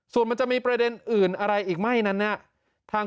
ส่วนมันจะมีประเด็นอื่นอะไรอีกไม่นั้นเนี่ย